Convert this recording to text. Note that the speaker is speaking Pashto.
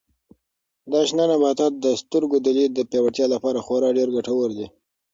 دا شنه نباتات د سترګو د لید د پیاوړتیا لپاره خورا ډېر ګټور دي.